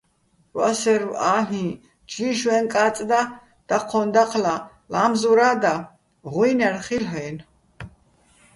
ვასერვ ა́ლ'იჼ: ჯიშვეჼ კა́წ და, დაჴჴოჼ დაჴლა, ლა́მზურა́ და, ღუჲნარ ხილ'ო̆-აჲნო̆.